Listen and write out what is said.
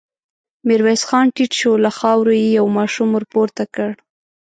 ميرويس خان ټيټ شو، له خاورو يې يو ماشوم ور پورته کړ.